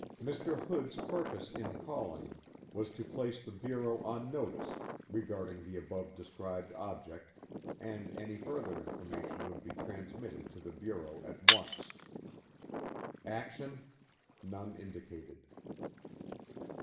Mr. Hood's purpose in calling was to place the Bureau on notice regarding the above described object and any further information would be transmitted to the Bureau at once. Action: None indicated.